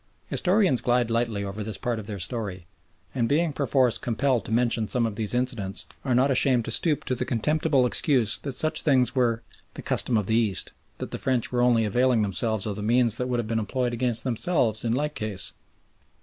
Historians glide lightly over this part of their story, and being perforce compelled to mention some of these incidents, are not ashamed to stoop to the contemptible excuse that such things were "the custom of the East," that the French were only availing themselves of the means that would have been employed against themselves in like case.